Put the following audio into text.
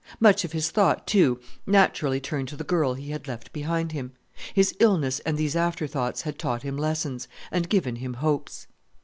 Much of his thought, too, naturally turned to the girl he had left behind him. His illness and these after thoughts had taught him lessons, and given him hopes.